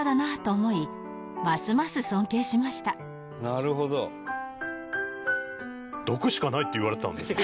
「なるほど」「毒しかない」って言われてたんですか？